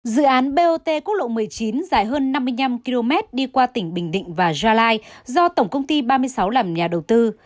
dự án bot quốc lộ một mươi chín dài hơn năm mươi năm km đi qua tỉnh bình định và gia lai do tổng công ty ba mươi sáu làm nhà đầu tư